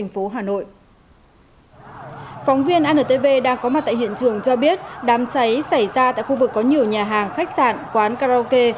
phóng viên antv đang có mặt tại hiện trường cho biết đám cháy xảy ra tại khu vực có nhiều nhà hàng khách sạn quán karaoke